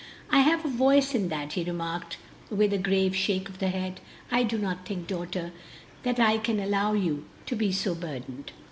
"I have a voice in that," he remarked, with, a grave shake of the head. "I do not think, daughter, that I can allow you to be so burdened."